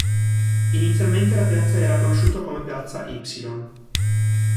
Inizialmente la piazza era conosciuta come piazza "Y".